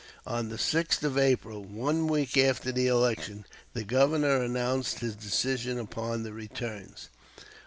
On the 6th of April, one week after election, the Governor announced his decision upon the returns.